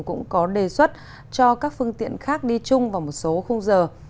cũng có đề xuất cho các phương tiện khác đi chung vào một số khung giờ